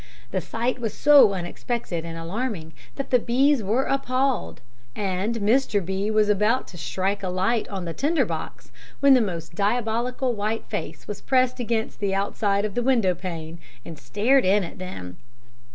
The sight was so unexpected and alarming that the B s were appalled, and Mr. B. was about to strike a light on the tinder box, when the most diabolical white face was pressed against the outside of the window pane and stared in at them.